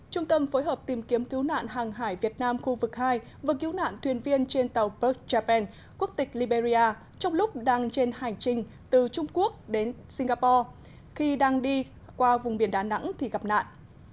trung tâm phối hợp tìm kiếm cứu nạn hàng hải việt nam khu vực hai vừa cứu nạn thuyền viên trên tàu berk japan quốc tịch liberia trong lúc đang trên hành trình từ trung quốc đến singapore khi đang đi qua vùng biển đà nẵng thì gặp nạn